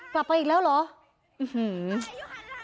กลับไปอีกแล้วเหรอ